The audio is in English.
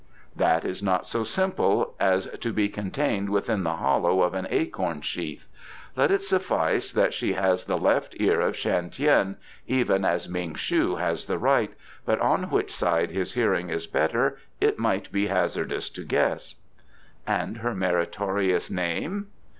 "That is not so simple as to be contained within the hollow of an acorn sheath. Let it suffice that she has the left ear of Shan Tien, even as Ming shu has the right, but on which side his hearing is better it might be hazardous to guess." "And her meritorious name?"